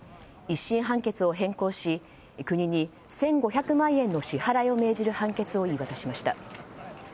１審判決を変更し国に１５００万円の支払いを命じる判決を言い渡しました。